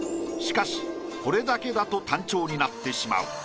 しかしこれだけだと単調になってしまう。